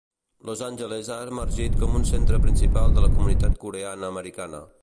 Los Angeles ha emergit com un centre principal de la comunitat coreana-americana.